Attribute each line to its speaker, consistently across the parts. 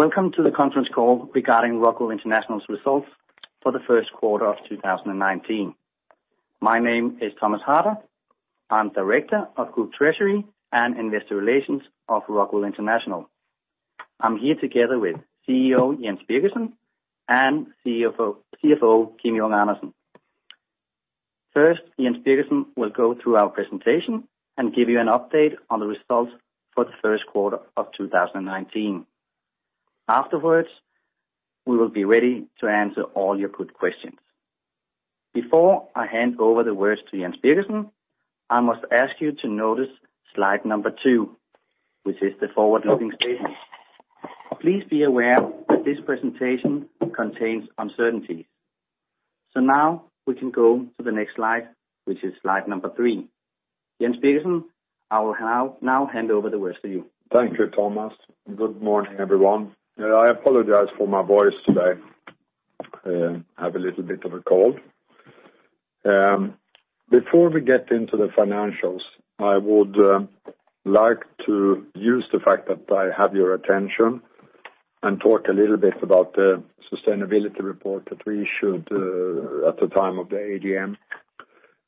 Speaker 1: Welcome to the conference call regarding Rockwool International's results for the first quarter of 2019. My name is Thomas Harder. I am Director of Group Treasury and Investor Relations of Rockwool International. I am here together with CEO, Jens Birgersson, and CFO, Kim Junge Andersen. First, Jens Birgersson will go through our presentation and give you an update on the results for the first quarter of 2019. Afterwards, we will be ready to answer all your good questions. Before I hand over the words to Jens Birgersson, I must ask you to notice slide number two, which is the forward-looking statement. Please be aware that this presentation contains uncertainties. Now we can go to the next slide, which is slide number three. Jens Birgersson, I will now hand over the words to you.
Speaker 2: Thank you, Thomas. Good morning, everyone. I apologize for my voice today. I have a little bit of a cold. Before we get into the financials, I would like to use the fact that I have your attention and talk a little bit about the sustainability report that we issued at the time of the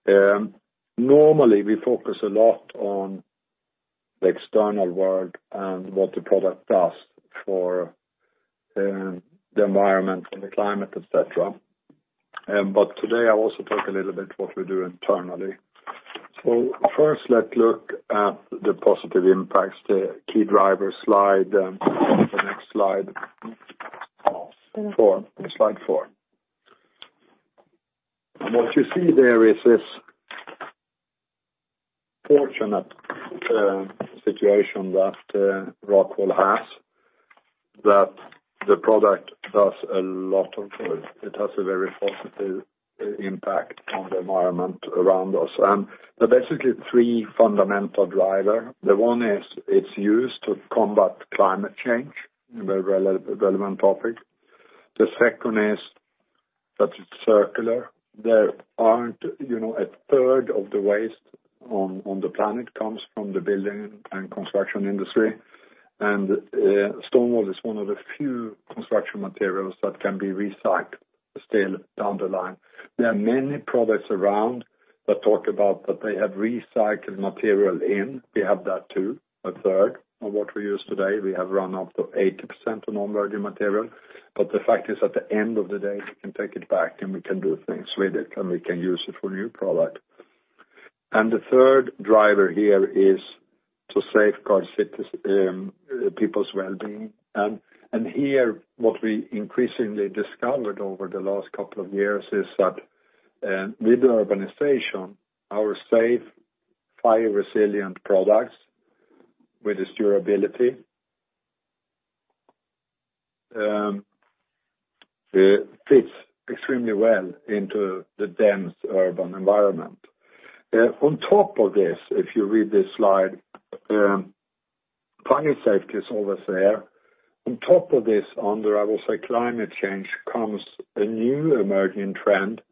Speaker 2: AGM. Normally, we focus a lot on the external world and what the product does for the environment and the climate, et cetera. Today, I will also talk a little what we do internally. First, let's look at the positive impacts, the key driver slide. The next slide, four. Slide four. What you see there is this fortunate situation that Rockwool has that the product does a lot of good. It has a very positive impact on the environment around us. There are basically three fundamental driver. The one is, it's used to combat climate change, a very relevant topic. The second is that it's circular. A third of the waste on the planet comes from the building and construction industry, and stone wool is one of the few construction materials that can be recycled still down the line. There are many products around that talk about that they have recycled material in. We have that, too. A third of what we use today, we have run up to 80% on virgin material. The fact is, at the end of the day, we can take it back and we can do things with it, and we can use it for a new product. The third driver here is to safeguard people's well-being. Here, what we increasingly discovered over the last couple of years is that with the urbanization, our safe fire-resilient products with its durability fits extremely well into the dense urban environment. On top of this, if you read this slide, fire safety is always there. On top of this, under, I will say, climate change, comes a new emerging trend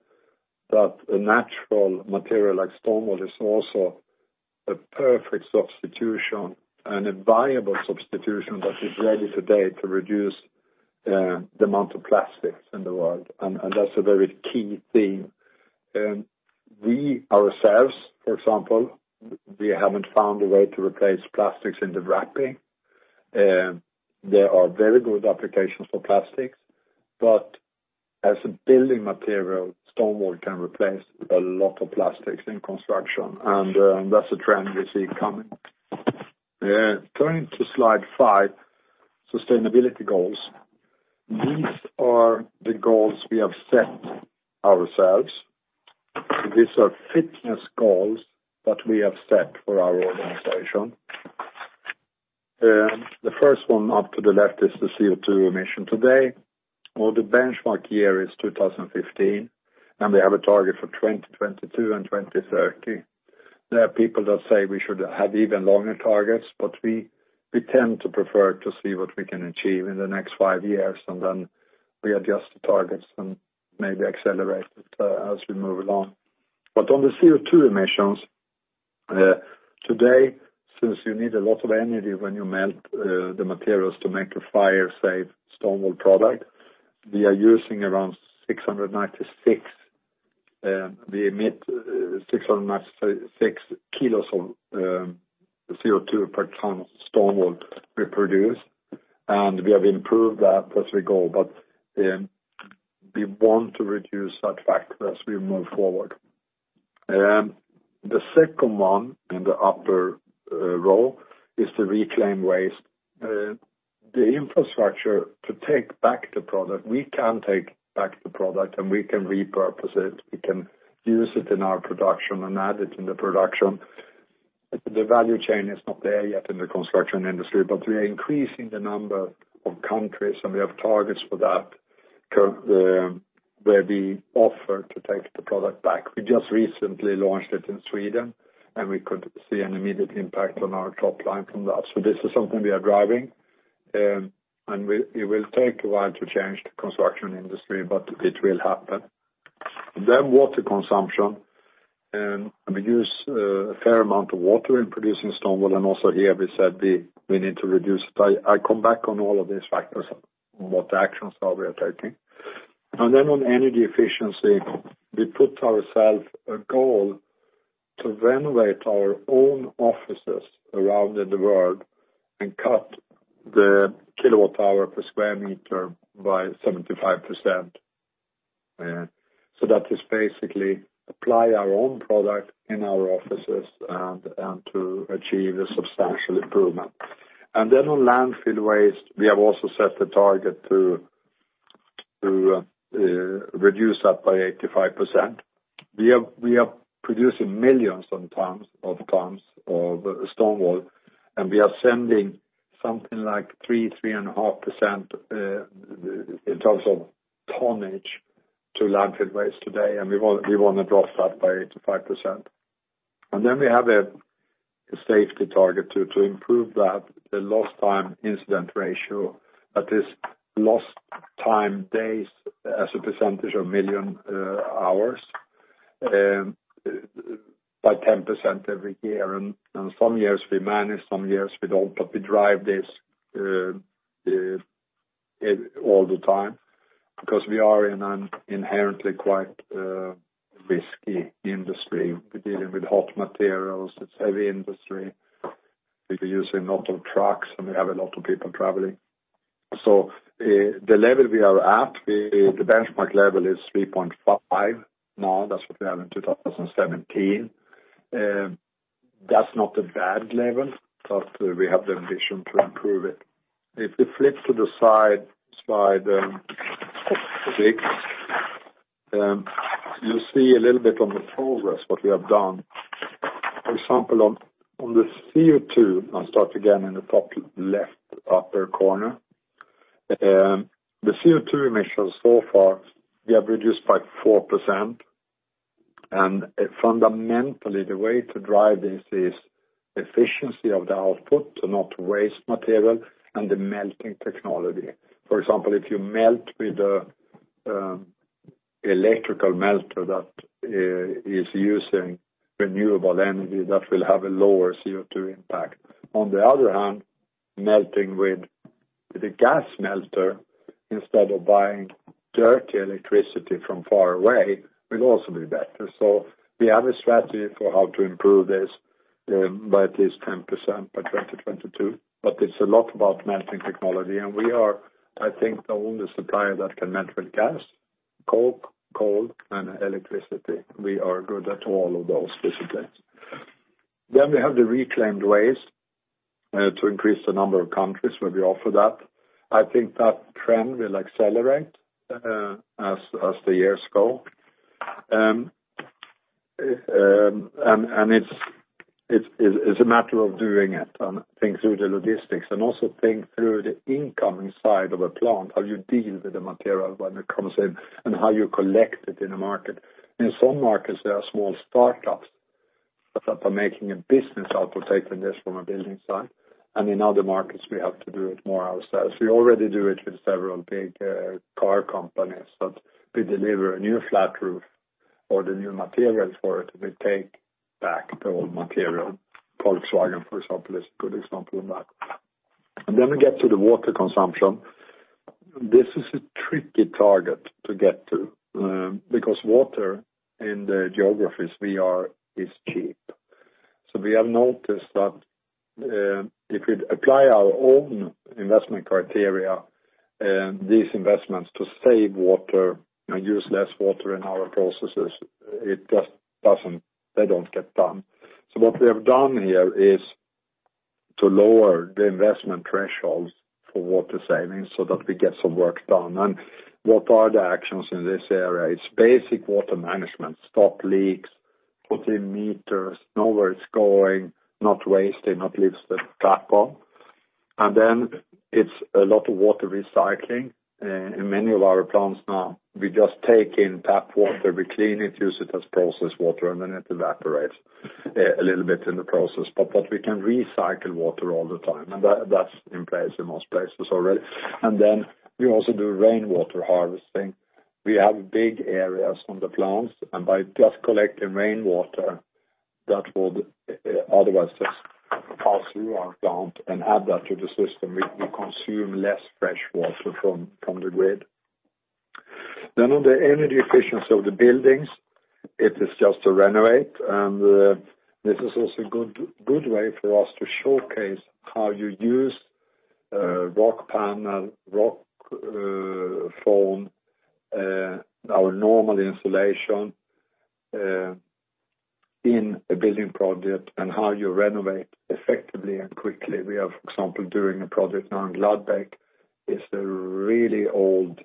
Speaker 2: that a natural material like stone wool is also a perfect substitution and a viable substitution that is ready today to reduce the amount of plastics in the world. That's a very key theme. We ourselves, for example, we haven't found a way to replace plastics in the wrapping. There are very good applications for plastics, but as a building material, stone wool can replace a lot of plastics in construction, and that's a trend we see coming. Turning to slide five, sustainability goals. These are the goals we have set ourselves. These are fitness goals that we have set for our organization. The first one up to the left is the CO2 emission today. The benchmark year is 2015, and we have a target for 2022 and 2030. There are people that say we should have even longer targets, but we tend to prefer to see what we can achieve in the next five years, and then we adjust the targets and maybe accelerate it as we move along. On the CO2 emissions, today, since you need a lot of energy when you melt the materials to make a fire-safe stone wool product, we emit 696 kilos of CO2 per ton of stone wool we produce, and we have improved that as we go. We want to reduce that fact as we move forward. The second one in the upper row is to reclaim waste. The infrastructure to take back the product, we can take back the product and we can repurpose it. We can use it in our production and add it in the production. The value chain is not there yet in the construction industry, but we are increasing the number of countries, and we have targets for that where we offer to take the product back. We just recently launched it in Sweden, and we could see an immediate impact on our top line from that. This is something we are driving, and it will take a while to change the construction industry, but it will happen. Water consumption. We use a fair amount of water in producing stone wool, and also here we said we need to reduce. I come back on all of these factors, on what actions are we are taking. On energy efficiency, we put ourself a goal to renovate our own offices around the world and cut the kilowatt hour per square meter by 75%. That is basically apply our own product in our offices and to achieve a substantial improvement. On landfill waste, we have also set the target to reduce that by 85%. We are producing millions of tons of stone wool, and we are sending something like 3.5% in terms of tonnage to landfill waste today. We want to drop that by 85%. We have a safety target to improve that, the lost time incident ratio. That is lost time days as a percentage of million hours, by 10% every year. Some years we manage, some years we don't. We drive this all the time because we are in an inherently quite risky industry. We are dealing with hot materials. It is heavy industry. We will be using a lot of trucks, and we have a lot of people traveling. The level we are at, the benchmark level is 3.5 now. That is what we have in 2017. That is not a bad level, but we have the ambition to improve it. If we flip to the slide six, you will see a little bit on the progress, what we have done. For example, on the CO2, I will start again in the top left upper corner. The CO2 emissions so far, we have reduced by 4%. Fundamentally, the way to drive this is efficiency of the output to not waste material and the melting technology. For example, if you melt with electrical melter that is using renewable energy, that will have a lower CO2 impact. On the other hand, melting with the gas melter instead of buying dirty electricity from far away, will also be better. We have a strategy for how to improve this by at least 10% by 2022. It's a lot about melting technology, and we are, I think, the only supplier that can melt with gas, coke, coal, and electricity. We are good at all of those disciplines. We have the reclaimed waste to increase the number of countries where we offer that. I think that trend will accelerate as the years go. It's a matter of doing it and think through the logistics and also think through the incoming side of a plant, how you deal with the material when it comes in and how you collect it in a market. In some markets, there are small startups that are making a business out of taking this from a building site. In other markets, we have to do it more ourselves. We already do it with several big car companies, that we deliver a new flat roof or the new materials for it, we take back the old material. Volkswagen, for example, is a good example of that. We get to the water consumption. This is a tricky target to get to, because water in the geographies we are is cheap. We have noticed that if we'd apply our own investment criteria these investments to save water and use less water in our processes, they don't get done. What we have done here is to lower the investment thresholds for water savings so that we get some work done. What are the actions in this area? It's basic water management, stop leaks, putting meters, know where it's going, not wasting, not leave the tap on. It's a lot of water recycling. In many of our plants now, we just take in tap water, we clean it, use it as processed water, and then it evaporates a little bit in the process. What we can recycle water all the time, and that's in place in most places already. We also do rainwater harvesting. We have big areas on the plants. By just collecting rainwater that would otherwise just pass through our plant and add that to the system, we consume less fresh water from the grid. On the energy efficiency of the buildings, it is just to renovate. This is also a good way for us to showcase how you use Rockpanel, Rockfon, our normal insulation in a building project and how you renovate effectively and quickly. We are, for example, doing a project now in Gladbeck. It's a really old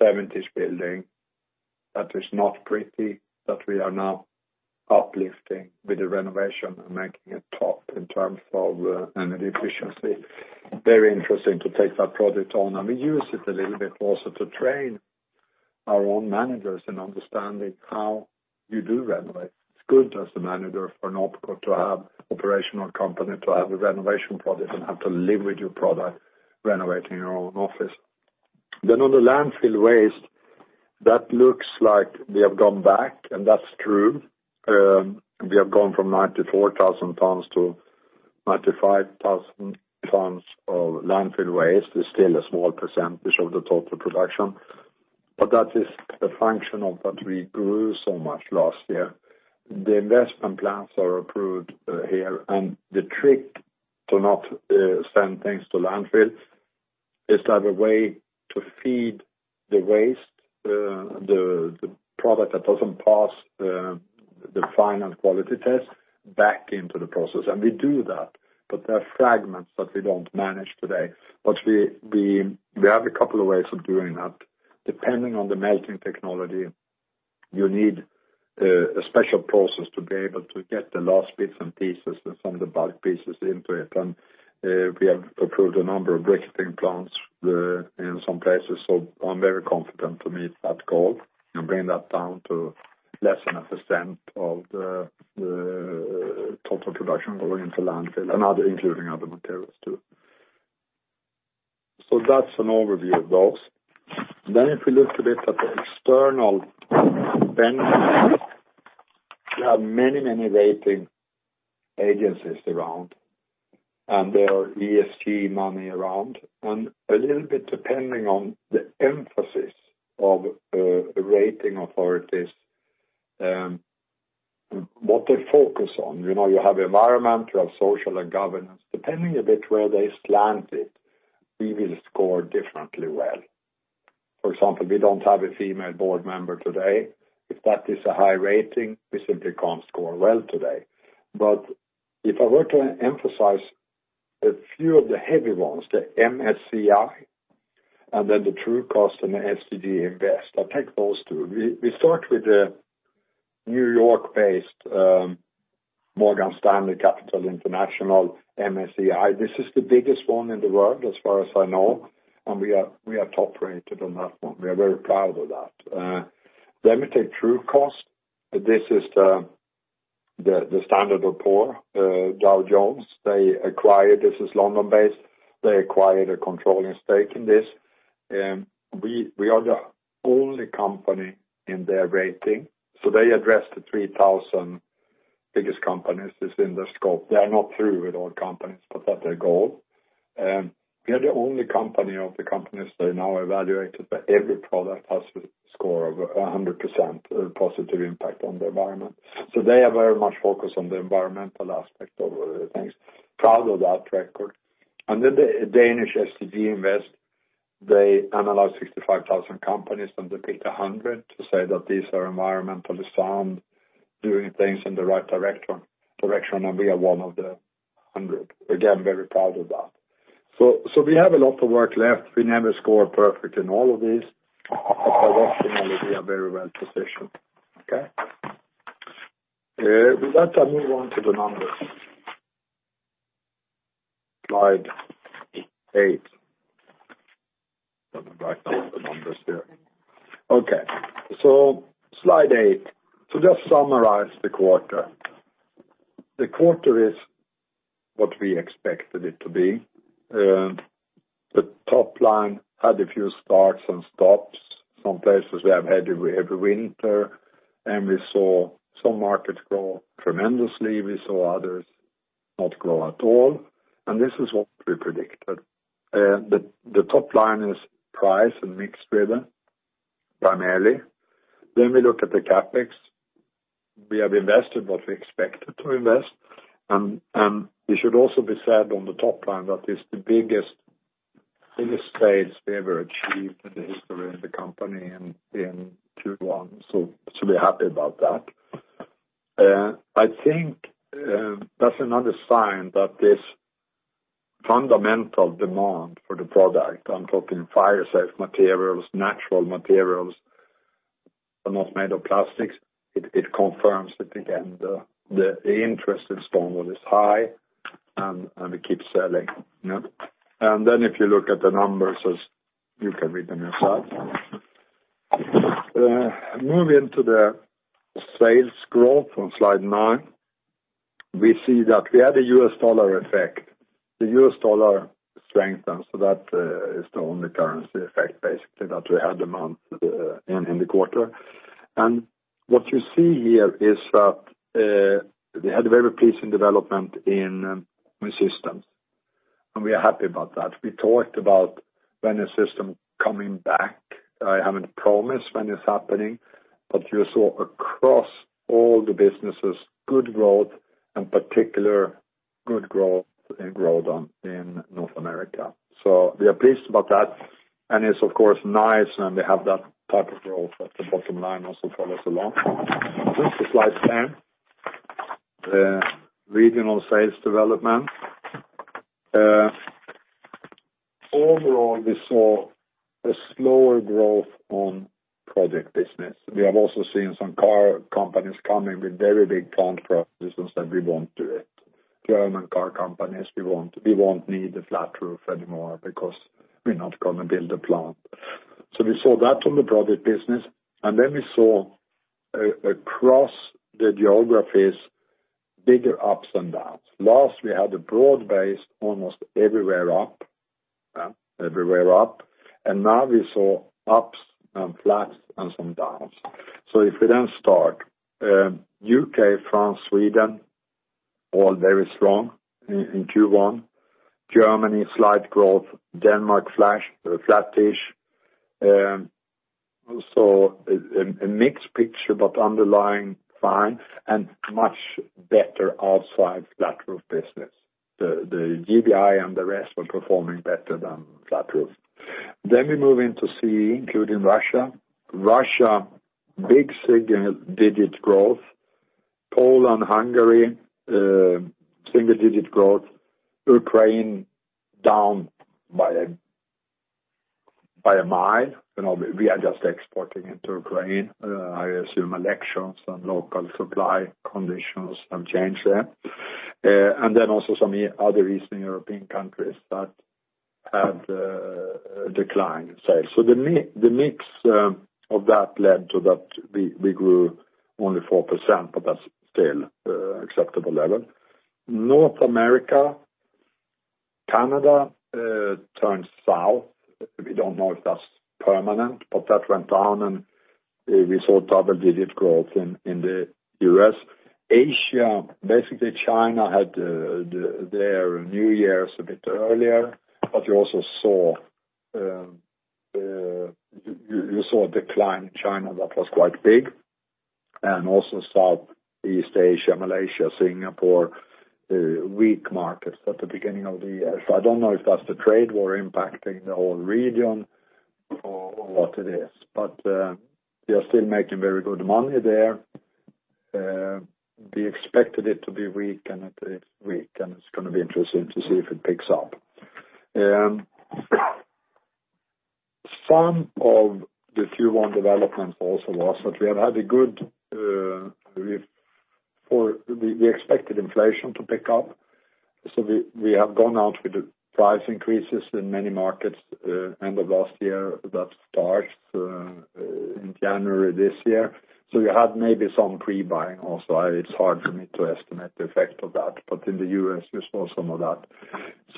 Speaker 2: '70s building that is not pretty, that we are now uplifting with the renovation and making it top in terms of energy efficiency. Very interesting to take that project on. We use it a little bit also to train our own managers in understanding how you do renovate. It's good as the manager for an OpCo to have operational company, to have a renovation project, and have to live with your product, renovating your own office. On the landfill waste, that looks like we have gone back, and that's true. We have gone from 94,000 tons to 95,000 tons of landfill waste. It's still a small % of the total production. That is a function of that we grew so much last year. The investment plans are approved here, the trick to not send things to landfills is to have a way to feed the waste, the product that doesn't pass the final quality test, back into the process. We do that, but there are fragments that we don't manage today. We have a couple of ways of doing that. Depending on the melting technology, you need a special process to be able to get the last bits and pieces and some of the bulk pieces into it. We have approved a number of briquetting plants in some places, so I'm very confident to meet that goal and bring that down to less than a % of the total production going into landfill and including other materials, too. That's an overview of those. If we look today at the external environment, there are many rating agencies around, and there are ESG money around. A little bit depending on the emphasis of the rating authorities, what they focus on. You have environmental, social, and governance. Depending a bit where they slant it, we will score differently well. For example, we don't have a female board member today. If that is a high rating, we simply can't score well today. If I were to emphasize a few of the heavy ones, the MSCI, and the Trucost and the SDG Invest, I'll take those two. We start with the New York-based Morgan Stanley Capital International, MSCI. This is the biggest one in the world, as far as I know, and we are top-rated on that one. We are very proud of that. Let me take Trucost. This is the Standard & Poor's, Dow Jones. This is London based. They acquired a controlling stake in this. We are the only company in their rating, so they address the 3,000 biggest companies is in their scope. They are not through with all companies, but that's their goal. We are the only company of the companies they now evaluated, every product has a score of 100% positive impact on the environment. They are very much focused on the environmental aspect of things. Proud of that record. The Danish SDG Invest, they analyze 65,000 companies and they pick 100 to say that these are environmentally sound, doing things in the right direction, and we are one of the 100. Again, very proud of that. We have a lot of work left. We never score perfect in all of these. Directionally, we are very well-positioned. Okay. With that, I move on to the numbers. Slide eight. Let me write down the numbers here. Okay. Slide eight. To just summarize the quarter. The quarter is what we expected it to be. The top line had a few starts and stops. Some places we have had a heavy winter. We saw some markets grow tremendously. We saw others not grow at all, and this is what we predicted. The top line is price and mix driven, primarily. We look at the CapEx. We have invested what we expected to invest. It should also be said on the top line that it's the biggest sales we ever achieved in the history of the company in Q1, so should be happy about that. I think that's another sign that this fundamental demand for the product, I'm talking fire-safe materials, natural materials, are not made of plastics. It confirms it again, the interest in stone wool is high, and we keep selling. If you look at the numbers as you can read them yourself. Moving to the sales growth on slide nine, we see that we had a US dollar effect. The US dollar strengthened, that is the only currency effect basically that we had in the quarter. What you see here is that we had a very pleasing development in residential, and we are happy about that. We talked about when a system coming back. I haven't promised when it's happening, but you saw across all the businesses, good growth and particular good growth in Grodan in North America. We are pleased about that, and it's of course nice. We have that type of growth at the bottom line also follows along. This is slide 10. Regional sales development. Overall, we saw a slower growth on project business. We have also seen some car companies coming with very big contract business that we won today. German car companies, we won't need a flat roof anymore because we're not going to build a plant. We saw that on the project business. We saw across the geographies, bigger ups and downs. Last, we had a broad base, almost everywhere up. Now we saw ups and flats and some downs. If we then start, U.K., France, Sweden, all very strong in Q1. Germany, slight growth, Denmark flat-ish. Also a mixed picture, but underlying fine and much better outside flat roof business. The GBI and the rest were performing better than flat roof. We move into C, including Russia. Russia, big single-digit growth. Poland, Hungary, single-digit growth. Ukraine down by a mile. We are just exporting into Ukraine. I assume elections and local supply conditions have changed there. Also some other Eastern European countries that had declined sales. The mix of that led to that we grew only 4%, but that's still acceptable level. North America, Canada turns south. We don't know if that's permanent, but that went down and we saw double-digit growth in the U.S. Asia, basically China had their New Year's a bit earlier, but you also saw a decline in China that was quite big, and also Southeast Asia, Malaysia, Singapore, weak markets at the beginning of the year. I don't know if that's the trade war impacting the whole region or what it is, but we are still making very good money there. We expected it to be weak, and it is weak, and it's going to be interesting to see if it picks up. Some of the Q1 development also lost. We expected inflation to pick up, we have gone out with price increases in many markets. End of last year, that starts in January this year. We had maybe some pre-buying also. It's hard for me to estimate the effect of that. In the U.S., we saw some of that.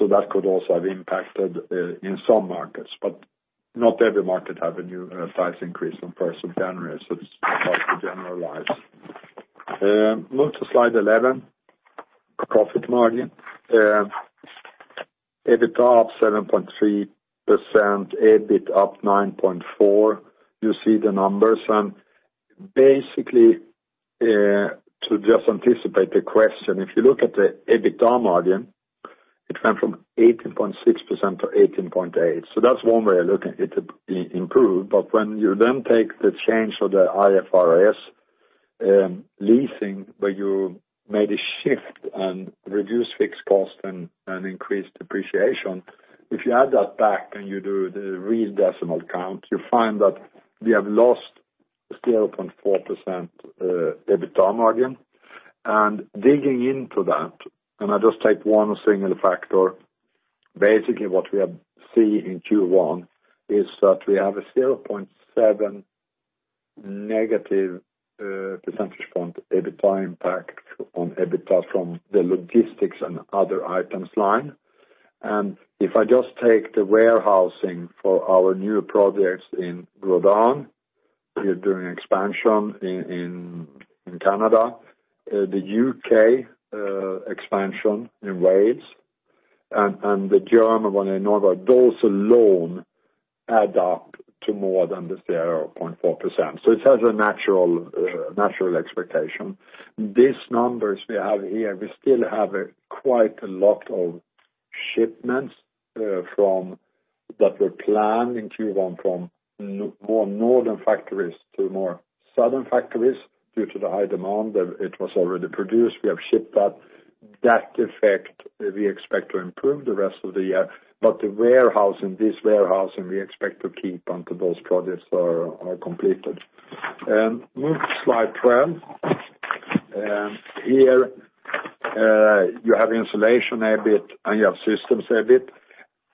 Speaker 2: That could also have impacted in some markets, but not every market have a new price increase on 1st of January, it's hard to generalize. Move to slide 11, profit margin. EBITDA up 7.3%, EBIT up 9.4%. You see the numbers and basically, to just anticipate the question, if you look at the EBITDA margin, it went from 18.6% to 18.8%. That's one way of looking, it improved. When you then take the change of the IFRS 16, where you made a shift and reduced fixed cost and increased depreciation, if you add that back and you do the real decimal count, you find that we have lost 0.4% EBITDA margin. Digging into that, I'll just take one single factor. Basically, what we have seen in Q1 is that we have a 0.7 negative percentage point EBITDA impact on EBITDA from the logistics and other items line. If I just take the warehousing for our new projects in Grodan, we're doing expansion in Canada, the U.K. expansion in Wales, and the German one in Neuburg, those alone add up to more than the 0.4%. It has a natural expectation. These numbers we have here, we still have quite a lot of shipments that were planned in Q1 from more northern factories to more southern factories due to the high demand that it was already produced. We have shipped that. That effect, we expect to improve the rest of the year. But the warehouse in this warehouse, and we expect to keep until those projects are completed. Move to slide 12. Here, you have insulation EBIT and you have systems EBIT,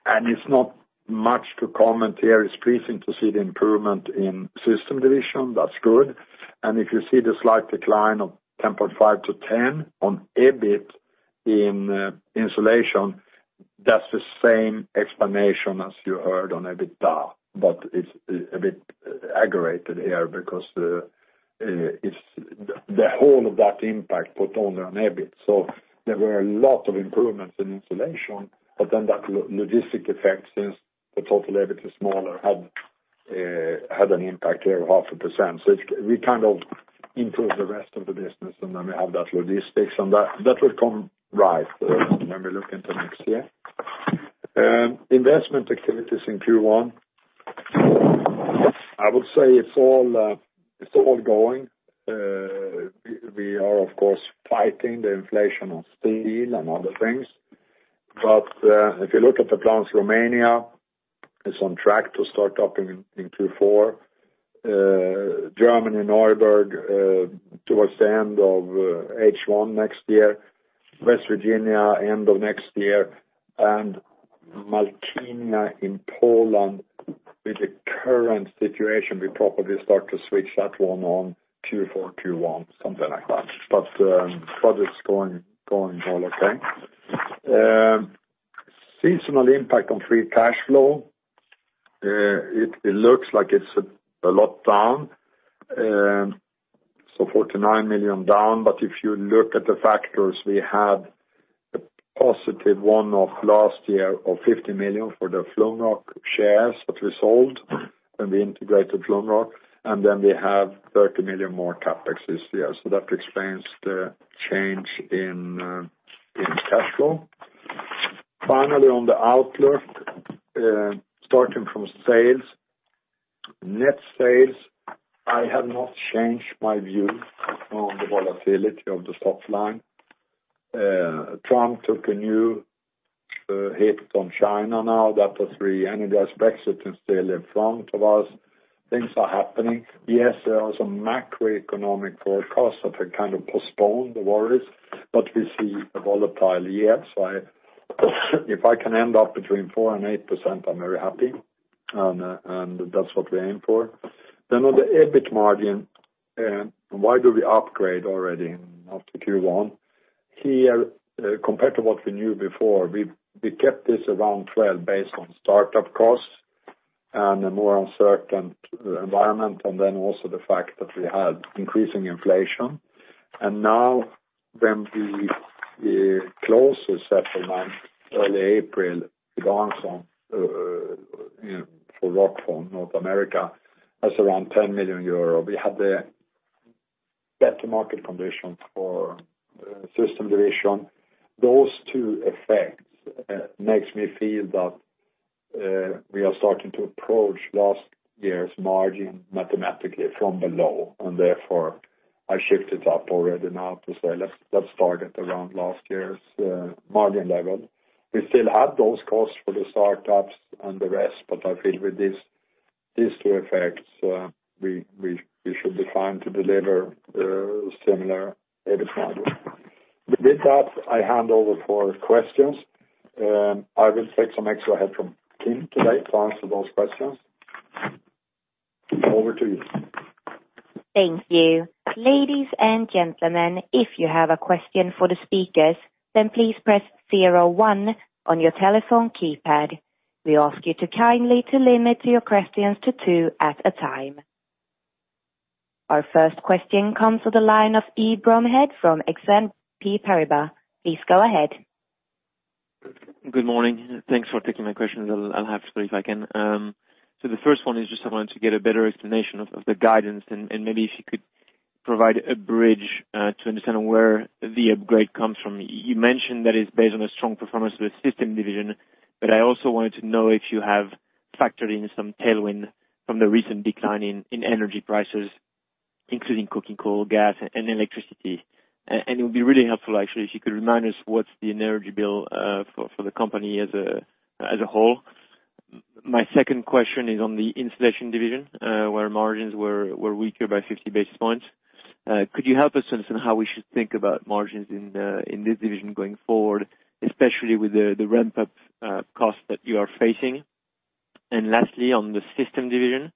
Speaker 2: it's not much to comment here. It's pleasing to see the improvement in system division, that's good. If you see the slight decline of 10.5% to 10% on EBIT in insulation, that's the same explanation as you heard on EBITDA, but it's a bit aggravated here because the whole of that impact put on an EBIT. There were a lot of improvements in insulation, that logistic effect, since the total EBIT is smaller, had an impact there of half a percent. We kind of improved the rest of the business, we have that logistics and that will come right when we look into next year. Investment activities in Q1. I would say it's all going. We are, of course, fighting the inflation on steel and other things. If you look at the plants, Romania is on track to start up in Q4. Germany Neuburg towards the end of H1 next year, West Virginia end of next year, and Małkinia in Poland, with the current situation, we probably start to switch that one on Q4, Q1, something like that. Projects going all okay. Seasonal impact on free cash flow. It looks like it's a lot down. 49 million down. If you look at the factors, we had a positive one-off last year of 50 million for the Flumroc shares that we sold when we integrated Flumroc, we have 30 million more CapEx this year, that explains the change in cash flow. Finally, on the outlook, starting from sales. Net sales, I have not changed my view on the volatility of the soft line. Trump took a new hit on China now. That was re-energy. Brexit is still in front of us. Things are happening. There are some macroeconomic forecasts that have kind of postponed the worries, we see a volatile year. If I can end up between 4% and 8%, I am very happy. That is what we aim for. On the EBIT margin. Why do we upgrade already after Q1? Here, compared to what we knew before, we kept this around 12% based on startup costs and a more uncertain environment, the fact that we had increasing inflation. When we close the settlement early April with Armstrong for Rockwool North America, that is around 10 million euro. We had better market conditions for System Division. Those two effects make me feel that we are starting to approach last year's margin mathematically from below, I shift it up already now to say, let us start at around last year's margin level. We still have those costs for the startups and the rest, I feel with these two effects, we should be fine to deliver similar EBIT margin. With that, I hand over for questions. I will take some extra help from Kim today to answer those questions. Over to you.
Speaker 3: Thank you. Ladies and gentlemen, if you have a question for the speakers, please press 01 on your telephone keypad. We ask you to kindly limit your questions to 2 at a time. Our first question comes to the line of Cedar Ekblom from Exane BNP Paribas. Please go ahead.
Speaker 4: Good morning. Thanks for taking my questions. I will have 3 if I can. The first is just I wanted to get a better explanation of the guidance and maybe if you could provide a bridge to understand where the upgrade comes from. You mentioned that it is based on a strong performance of the System Division, I also wanted to know if you have factored in some tailwind from the recent decline in energy prices, including coking coal, gas and electricity. It would be really helpful actually, if you could remind us what is the energy bill for the company as a whole. My second is on the Insulation Division, where margins were weaker by 50 basis points. Could you help us understand how we should think about margins in this division going forward, especially with the ramp-up costs that you are facing? Lastly, on the system division,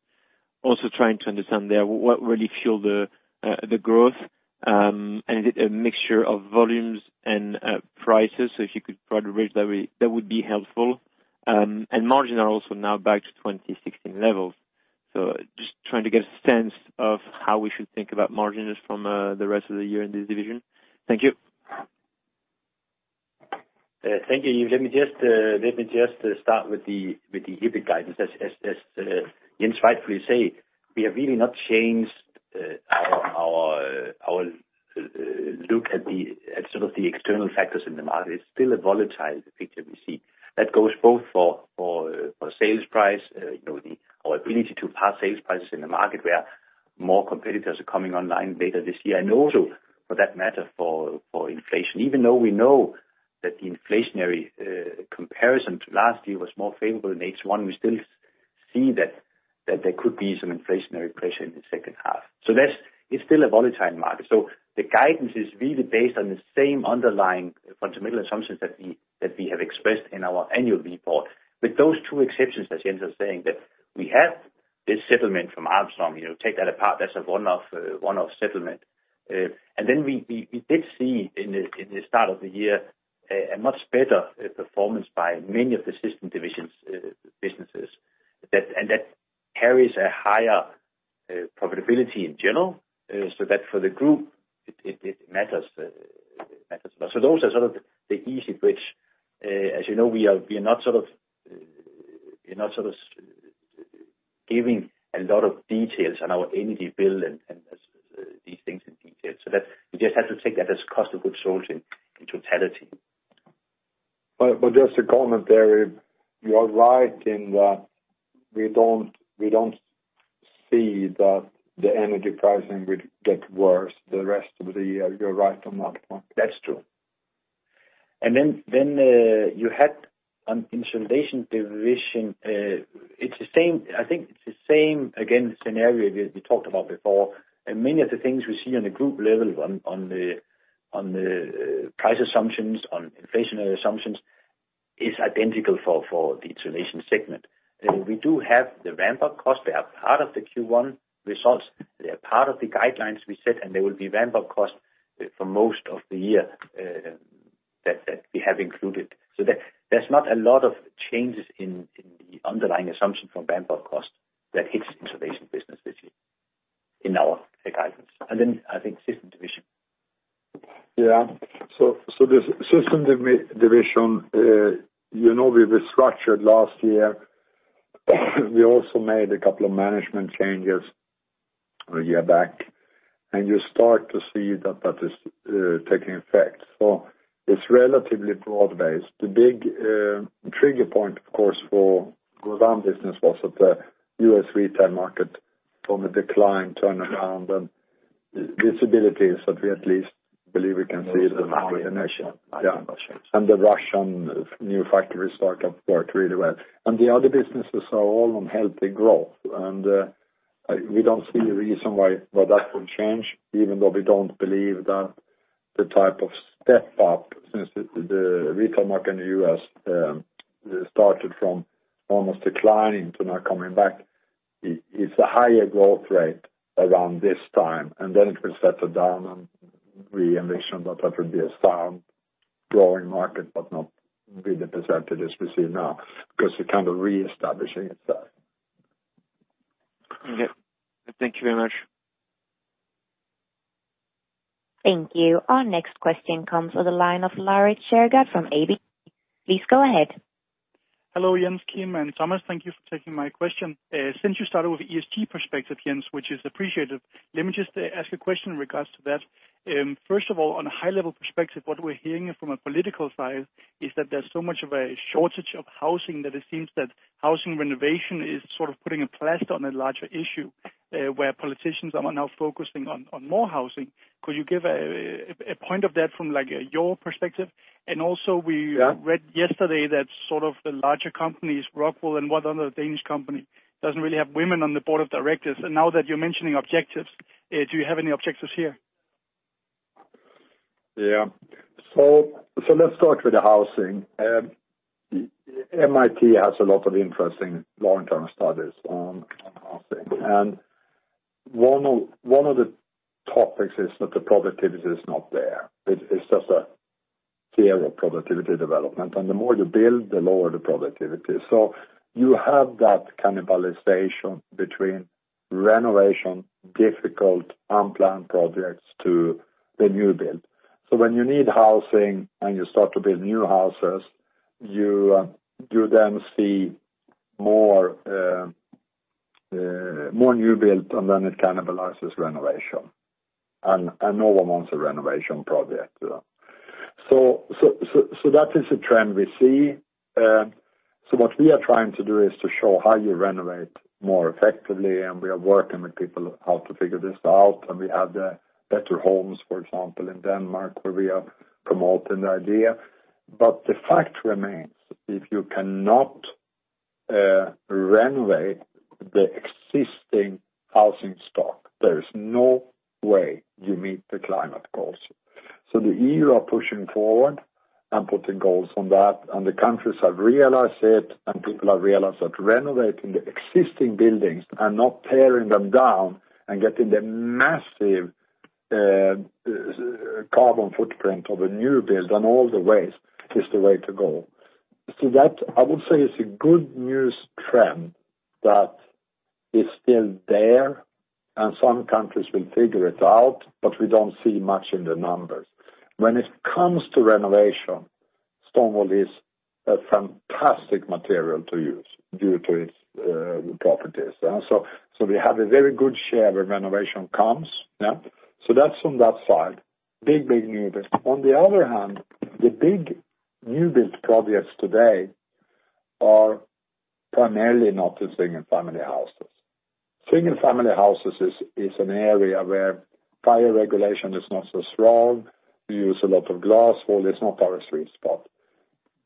Speaker 4: also trying to understand there what really fueled the growth, a mixture of volumes and prices. If you could provide a range that would be helpful. Margins are also now back to 2016 levels. Just trying to get a sense of how we should think about margins from the rest of the year in this division. Thank you.
Speaker 5: Thank you. Let me just start with the EBIT guidance. As Jens rightfully says, we have really not changed our look at the sort of the external factors in the market. It is still a volatile picture we see. That goes both for sales price, our ability to pass sales prices in the market where more competitors are coming online later this year, and also for that matter for inflation. Even though we know that the inflationary comparison to last year was more favorable in H1, we still see that there could be some inflationary pressure in the second half. It is still a volatile market. The guidance is really based on the same underlying fundamental assumptions that we have expressed in our annual report. With those two exceptions, as Jens was saying, that we have this settlement from Armstrong, take that apart, that is a one-off settlement. Then we did see in the start of the year a much better performance by many of the system divisions businesses. That carries a higher profitability in general. That for the group it matters. Those are sort of the easy bridge. As you know, we are not sort of giving a lot of details on our energy bill and these things in detail. You just have to take that as cost of goods sold in totality.
Speaker 2: Just a comment there. You are right in that we don't
Speaker 5: See that the energy pricing would get worse the rest of the year. You're right on that point. That's true. You had an Insulation division. I think it's the same, again, scenario we talked about before, and many of the things we see on a group level on the price assumptions, on inflationary assumptions, is identical for the Insulation segment. We do have the ramp-up cost. They are part of the Q1 results. They are part of the guidelines we set, and they will be ramp-up cost for most of the year that we have included. There's not a lot of changes in the underlying assumption from ramp-up cost that hits Insulation business this year in our guidance. I think System division.
Speaker 2: Yeah. The System division we restructured last year. We also made a couple of management changes a year back, and you start to see that that is taking effect. It's relatively broad-based. The big trigger point, of course, for Grodan business was that the U.S. retail market from a decline turnaround and visibility is that we at least believe we can see the nation. Yeah. The Russian new factory startup worked really well. The other businesses are all on healthy growth. We don't see a reason why that will change, even though we don't believe that the type of step-up, since the retail market in the U.S. started from almost declining to now coming back, it's a higher growth rate around this time, and then it will settle down and we envision that that will be a sound growing market, but not really the % as we see now because it's kind of reestablishing itself.
Speaker 4: Okay. Thank you very much.
Speaker 3: Thank you. Our next question comes on the line of [Larry Shergad] from SEB. Please go ahead.
Speaker 6: Hello, Jens, Kim, and Thomas. Thank you for taking my question. Since you started with ESG perspective, Jens, which is appreciated, let me just ask a question in regards to that. First of all, on a high level perspective, what we're hearing from a political side is that there's so much of a shortage of housing that it seems that housing renovation is sort of putting a plaster on a larger issue, where politicians are now focusing on more housing. Could you give a point of that from your perspective?
Speaker 2: Yeah
Speaker 6: read yesterday that sort of the larger companies, Rockwool and what other Danish company, doesn't really have women on the board of directors. Now that you're mentioning objectives, do you have any objectives here?
Speaker 2: Yeah. Let's start with the housing. MIT has a lot of interesting long-term studies on housing. One of the topics is that the productivity is not there. It's just a theory of productivity development. The more you build, the lower the productivity. You have that cannibalization between renovation, difficult unplanned projects to the new build. When you need housing and you start to build new houses, you then see more new build and then it cannibalizes renovation. No one wants a renovation project. That is a trend we see. What we are trying to do is to show how you renovate more effectively, and we are working with people how to figure this out. We have the Bedre Bolig, for example, in Denmark, where we are promoting the idea. The fact remains, if you cannot renovate the existing housing stock, there is no way you meet the climate goals. The EU are pushing forward and putting goals on that, and the countries have realized it, and people have realized that renovating the existing buildings and not tearing them down and getting the massive carbon footprint of a new build and all the waste is the way to go. That, I would say, is a good news trend that is still there, and some countries will figure it out, but we don't see much in the numbers. When it comes to renovation, stone wool is a fantastic material to use due to its properties. We have a very good share where renovation comes. Yeah. That's on that side. Big new build. On the other hand, the big new build projects today are primarily not the single-family houses. Single-family houses is an area where fire regulation is not so strong. We use a lot of glass wool. It's not our sweet spot.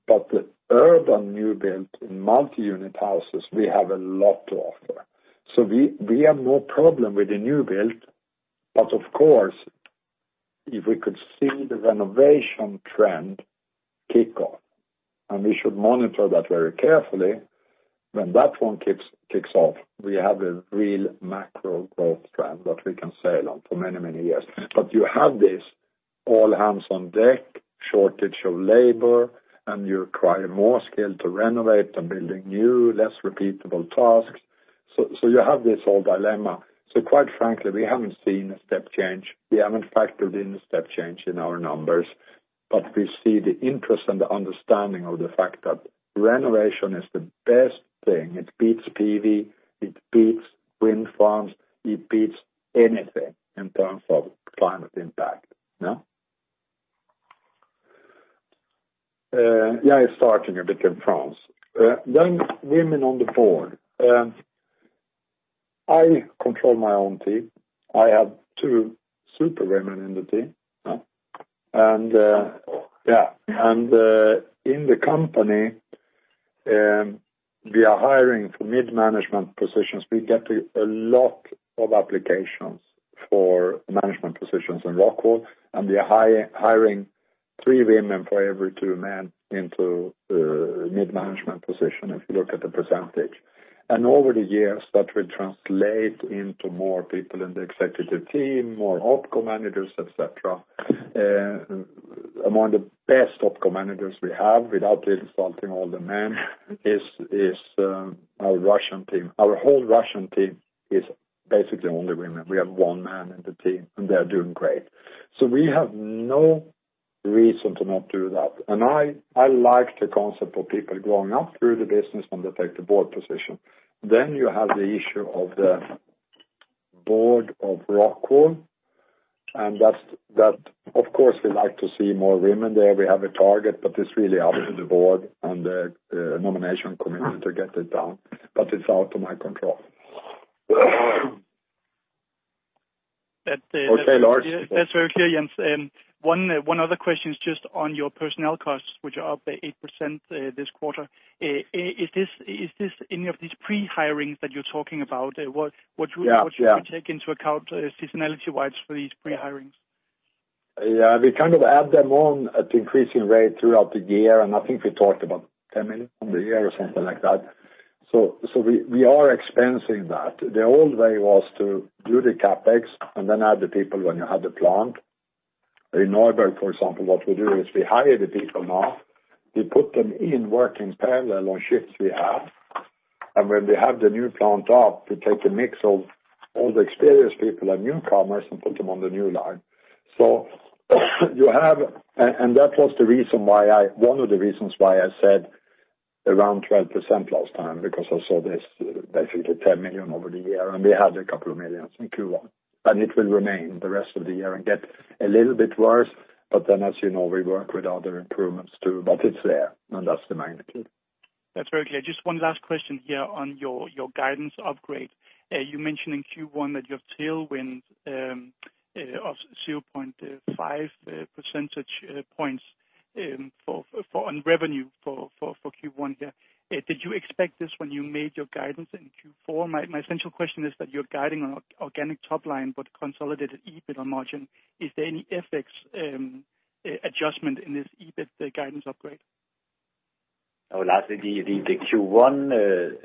Speaker 2: The urban new build in multi-unit houses, we have a lot to offer. We have more problem with the new build, but of course, if we could see the renovation trend kick off, and we should monitor that very carefully. When that one kicks off, we have a real macro growth trend that we can sail on for many years. You have this all hands on deck, shortage of labor, and you require more skill to renovate than building new, less repeatable tasks. You have this whole dilemma. Quite frankly, we haven't seen a step change. We haven't factored in a step change in our numbers, but we see the interest and the understanding of the fact that renovation is the best thing. It beats PV, it beats wind farms, it beats anything in terms of climate impact. Yeah, starting a bit in France. Young women on the board. I control my own team. I have two super women in the team. In the company, we are hiring for mid-management positions. We get a lot of applications for management positions in Rockwool, and we are hiring three women for every two men into a mid-management position, if you look at the percentage. Over the years, that will translate into more people in the executive team, more OpCom managers, et cetera. Among the best OpCom managers we have, without insulting all the men, is our Russian team. Our whole Russian team is basically only women. We have one man in the team, and they're doing great. We have no reason to not do that. I like the concept of people growing up through the business when they take the board position. You have the issue of the board of Rockwool, and that of course, we like to see more women there. We have a target, but it's really up to the board and the nomination committee to get it done. It's out of my control. Okay, Lars.
Speaker 6: That's very clear, Jens. One other question is just on your personnel costs, which are up by 8% this quarter. Is this any of these pre-hirings that you're talking about?
Speaker 2: Yeah.
Speaker 6: Would you take into account seasonality-wise for these pre-hirings?
Speaker 2: We kind of add them on at increasing rate throughout the year. I think we talked about 10 million on the year or something like that. We are expensing that. The old way was to do the CapEx and then add the people when you have the plant. In Neuburg, for example, what we do is we hire the people now, we put them in working parallel on shifts we have, and when we have the new plant up, we take a mix of all the experienced people and newcomers and put them on the new line. That was one of the reasons why I said around 12% last time, because I saw this basically 10 million over the year, and we had a couple of millions in Q1. It will remain the rest of the year and get a little bit worse. As you know, we work with other improvements too. It's there, and that's the magnitude.
Speaker 6: That's very clear. Just one last question here on your guidance upgrade. You mentioned in Q1 that you have tailwinds of 0.5 percentage points on revenue for Q1 here. Did you expect this when you made your guidance in Q4? My central question is that you're guiding on organic top line, but consolidated EBITDA margin. Is there any effects adjustment in this EBITDA guidance upgrade?
Speaker 5: I would ask the Q1, you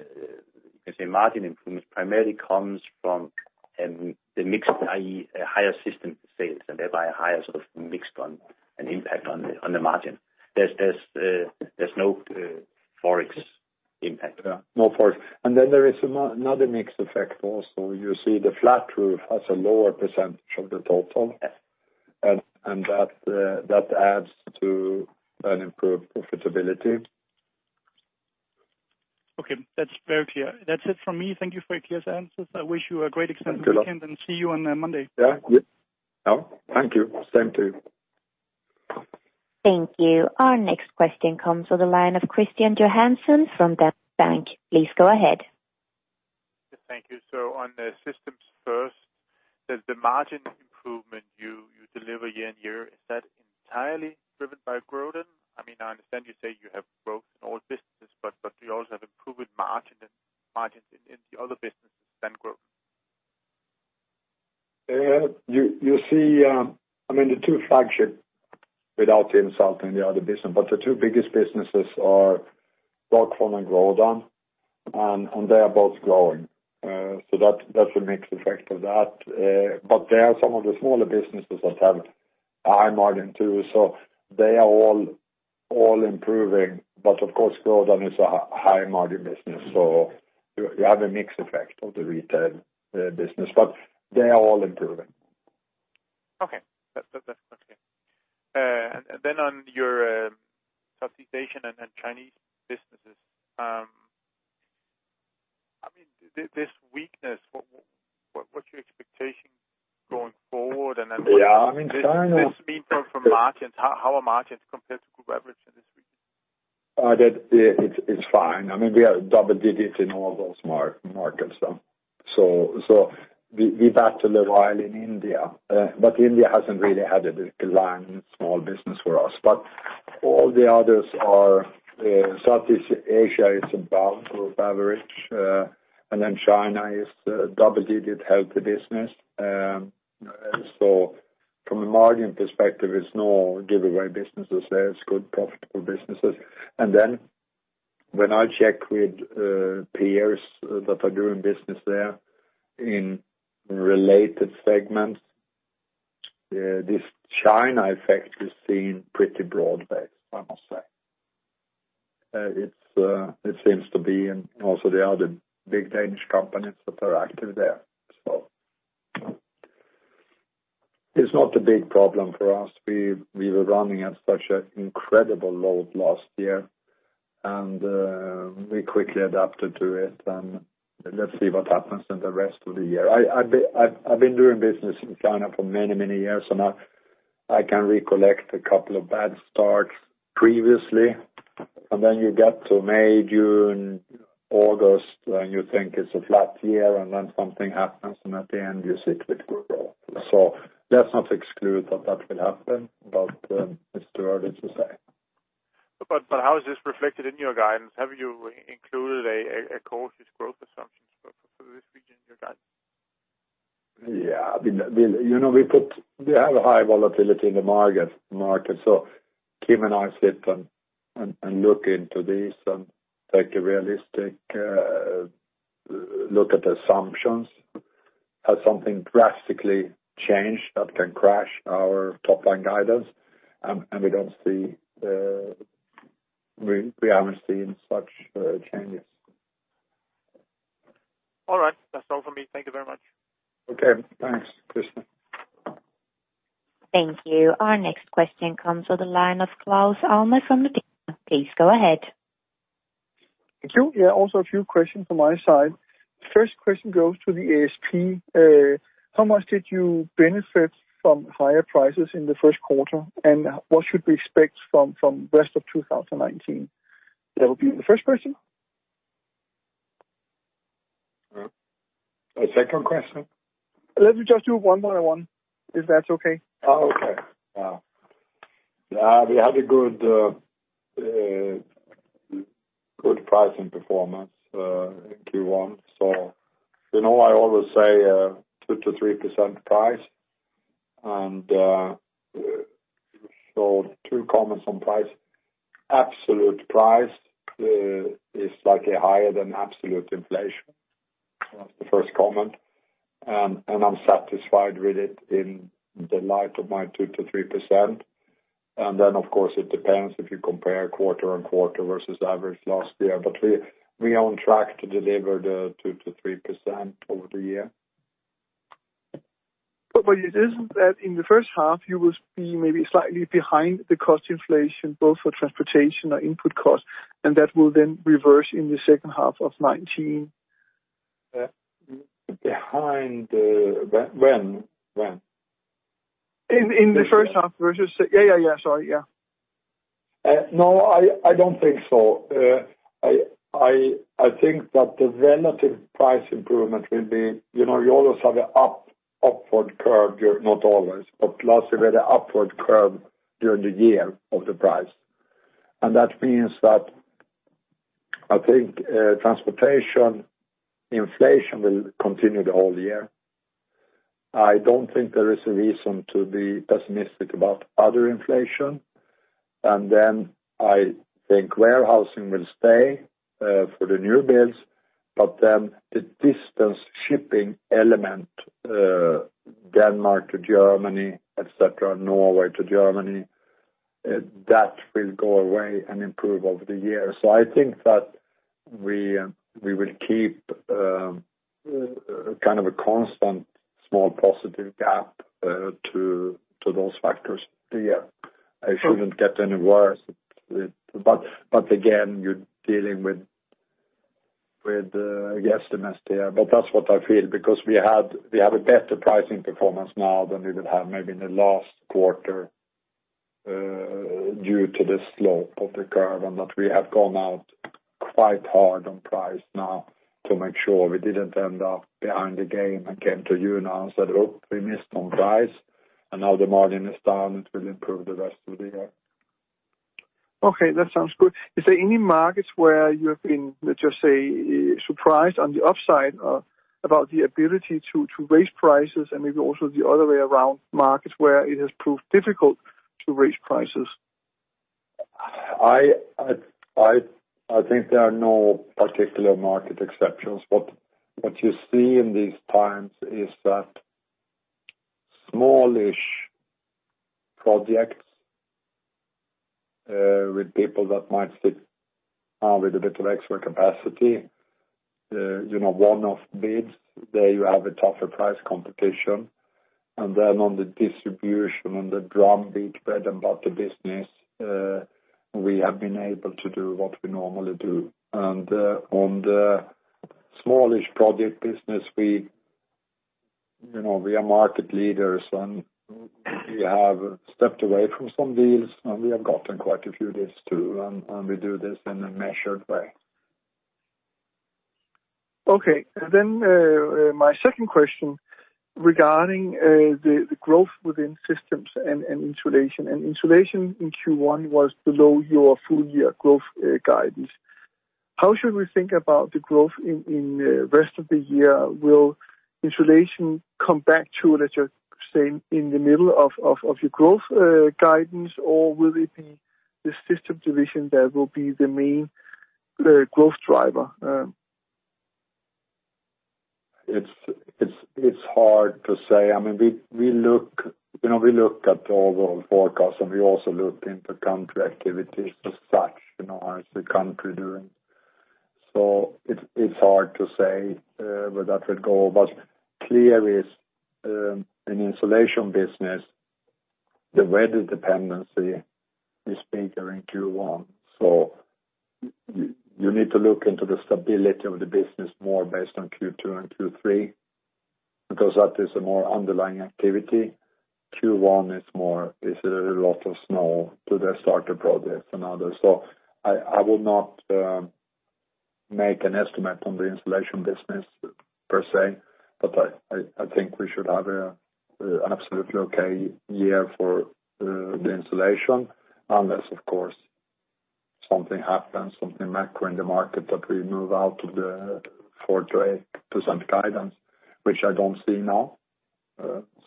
Speaker 5: can say margin improvements primarily comes from the mix, i.e., higher system sales and thereby a higher sort of mix on an impact on the margin. There's no Forex impact.
Speaker 2: Yeah. No Forex. There is another mix effect also. You see the flat roof has a lower % of the total.
Speaker 5: Yes.
Speaker 2: That adds to an improved profitability.
Speaker 6: Okay. That's very clear. That's it from me. Thank you for your clear answers. I wish you a great extended weekend, and see you on Monday.
Speaker 2: Yeah. Thank you. Same to you.
Speaker 3: Thank you. Our next question comes on the line of Kristian Johansen from DNB Bank. Please go ahead.
Speaker 7: Thank you. On the systems first, the margin improvement you deliver year-on-year, is that entirely driven by Grodan? I understand you say you have growth in all businesses, but you also have improved margins in the other businesses than Grodan.
Speaker 2: You see, the two flagship without insulting the other business, the two biggest businesses are Rockwool and Grodan, and they are both growing. That's the mix effect of that. There are some of the smaller businesses that have a high margin too, so they are all improving. Of course, Grodan is a high margin business, so you have a mix effect of the retail business, but they are all improving.
Speaker 7: Okay. That's clear. On your Southeast Asian and Chinese businesses. This weakness, what's your expectation going forward?
Speaker 2: Yeah, I mean, China is
Speaker 7: this mean term for margins, how are margins compared to group average in this region?
Speaker 2: It's fine. We are double digits in all those markets now. We battled a while in India, but India hasn't really had a big line in small business for us. All the others are, Southeast Asia is above group average, and then China is double-digit healthy business. From a margin perspective, it's no giveaway businesses there. It's good profitable businesses. When I check with peers that are doing business there in related segments, this China effect is seen pretty broad based, I must say. It seems to be in also the other big Danish companies that are active there. It's not a big problem for us. We were running at such an incredible load last year. We quickly adapted to it, and let's see what happens in the rest of the year. I've been doing business in China for many years, and I can recollect a couple of bad starts previously. Then you get to May, June, August, and you think it's a flat year, and then something happens, and at the end, you see quick growth. Let's not exclude that that will happen, but it's too early to say.
Speaker 7: How is this reflected in your guidance? Have you included a cautious growth assumption for this region in your guidance?
Speaker 2: Yeah. We have a high volatility in the market. Kim and I sit and look into this and take a realistic look at the assumptions. Has something drastically changed that can crash our top-line guidance? We haven't seen such changes.
Speaker 7: All right. That's all from me. Thank you very much.
Speaker 2: Okay. Thanks, Kristian.
Speaker 3: Thank you. Our next question comes on the line of Claus Almer from the
Speaker 8: Thank you. Yeah, also a few questions from my side. First question goes to the ASP. How much did you benefit from higher prices in the first quarter, and what should we expect from rest of 2019? That will be the first question.
Speaker 2: A second question?
Speaker 8: Let me just do one by one, if that's okay.
Speaker 2: We had a good pricing performance in Q1. I always say 2% to 3% price, two comments on price. Absolute price is slightly higher than absolute inflation. That's the first comment. I'm satisfied with it in the light of my 2% to 3%. Of course, it depends if you compare quarter-on-quarter versus average last year. We are on track to deliver the 2% to 3% over the year.
Speaker 8: It isn't that in the first half, you will be maybe slightly behind the cost inflation, both for transportation or input cost, and that will then reverse in the second half of 2019.
Speaker 2: Behind when?
Speaker 8: In the first half versus Yeah. Sorry. Yeah.
Speaker 2: No, I don't think so. I think that the relative price improvement will be, you always have an upward curve, not always, but lots of the upward curve during the year of the price. That means that I think transportation inflation will continue the whole year. I don't think there is a reason to be pessimistic about other inflation. Then I think warehousing will stay for the new builds, but then the distance shipping element, Denmark to Germany, et cetera, Norway to Germany, that will go away and improve over the years. I think that we will keep a constant small positive gap to those factors. Yeah. It shouldn't get any worse. Again, you're dealing with guesstimates here. That's what I feel because we have a better pricing performance now than we would have maybe in the last quarter, due to the slope of the curve, and that we have gone out quite hard on price now to make sure we didn't end up behind the game again to you now and said, "Oh, we missed on price, and now the margin is down. It will improve the rest of the year.
Speaker 8: Okay. That sounds good. Is there any markets where you have been, let's just say, surprised on the upside about the ability to raise prices and maybe also the other way around markets where it has proved difficult to raise prices?
Speaker 2: I think there are no particular market exceptions. What you see in these times is that smallish projects, with people that might sit with a little extra capacity. One-off bids, there you have a tougher price competition. On the distribution, on the drumbeat bread-and-butter business, we have been able to do what we normally do. On the smallish project business, we are market leaders, and we have stepped away from some deals, and we have gotten quite a few deals too, and we do this in a measured way.
Speaker 8: Okay. My second question regarding the growth within systems and insulation. Insulation in Q1 was below your full-year growth guidance. How should we think about the growth in rest of the year? Will insulation come back to, let's just say, in the middle of your growth guidance, or will it be the system division that will be the main growth driver?
Speaker 2: It's hard to say. We look at overall forecast, and we also look into country activities as such, how is the country doing. It's hard to say where that would go. What's clear is, in insulation business, the weather dependency is bigger in Q1. You need to look into the stability of the business more based on Q2 and Q3, because that is a more underlying activity. Q1 is a lot of snow to the starter progress and others. I will not make an estimate on the insulation business per se, but I think we should have an absolutely okay year for the insulation, unless of course, something happens, something macro in the market that we move out of the 4%-8% guidance, which I don't see now.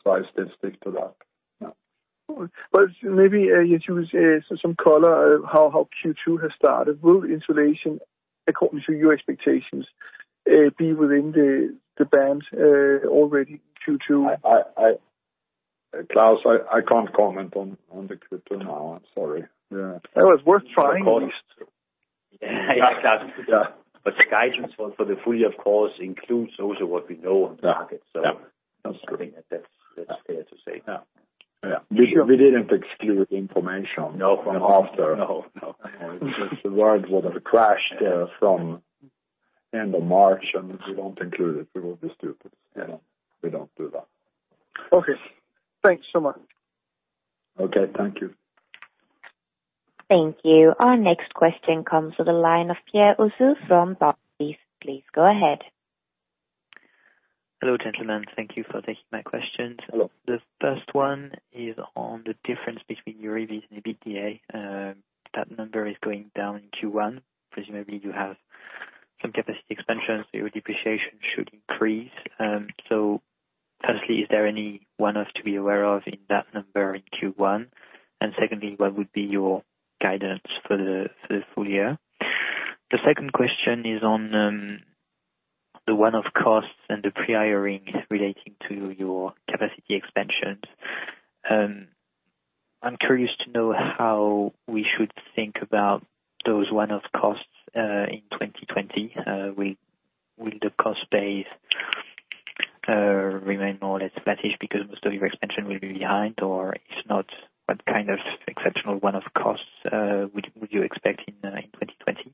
Speaker 2: I still stick to that. Yeah.
Speaker 8: maybe you choose some color how Q2 has started. Will installation, according to your expectations, be within the bands already in Q2?
Speaker 2: Claus, I can't comment on the Q2 now. I'm sorry. Yeah.
Speaker 8: It was worth trying.
Speaker 5: Yeah. The guidance for the full year, of course, includes also what we know on the market.
Speaker 2: Yeah.
Speaker 5: I think that's fair to say.
Speaker 2: Yeah. We didn't exclude information after.
Speaker 5: No.
Speaker 2: The world would have crashed from end of March, and we don't include it. We would be stupid.
Speaker 5: Yeah.
Speaker 2: We don't do that.
Speaker 8: Okay. Thanks so much.
Speaker 2: Okay. Thank you.
Speaker 3: Thank you. Our next question comes to the line of Pierre Rousseau from Barclays. Please go ahead.
Speaker 9: Hello, gentlemen. Thank you for taking my questions.
Speaker 2: Hello.
Speaker 9: The first one is on the difference between your EBIT and the EBITDA. That number is going down in Q1. Presumably, you have some capacity expansion, so your depreciation should increase. Firstly, is there any one-off to be aware of in that number in Q1? Secondly, what would be your guidance for the full year? The second question is on the one-off costs and the pre-hiring relating to your capacity expansions. I'm curious to know how we should think about those one-off costs, in 2020. Will the cost base remain more or less flattish because most of your expansion will be behind, or if not, what kind of exceptional one-off costs would you expect in 2020?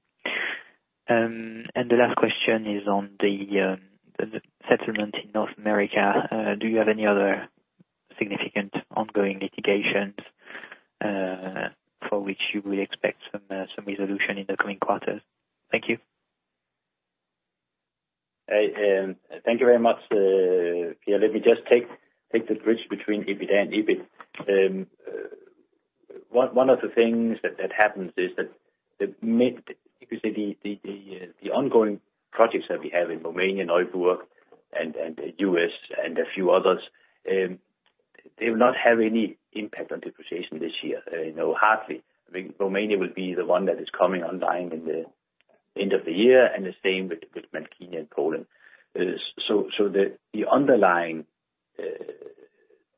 Speaker 9: The last question is on the settlement in North America. Do you have any other significant ongoing litigations for which you will expect some resolution in the coming quarters? Thank you.
Speaker 5: Thank you very much, Pierre. Let me just take the bridge between EBITDA and EBIT. One of the things that happens is that the ongoing projects that we have in Romania, Neuburg, and U.S., and a few others, they will not have any impact on depreciation this year. Hardly. I think Romania will be the one that is coming online in the end of the year, and the same with Małkinia in Poland. The underlying